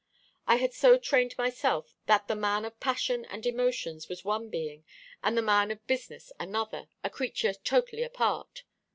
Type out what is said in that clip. I had so trained myself that the man of passion and emotions was one being, and the man of business another, a creature totally apart.